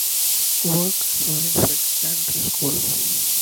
Works Alavoine secondary school.